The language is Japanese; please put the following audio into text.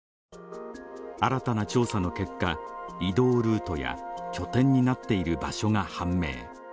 新たな調査の結果、移動ルートや拠点になっている場所が判明。